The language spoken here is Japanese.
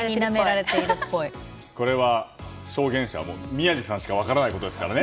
これは証言者は宮司さんしか分からないことですからね。